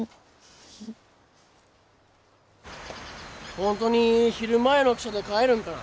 本当に昼前の汽車で帰るんかな？